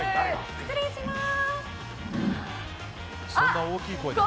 失礼します。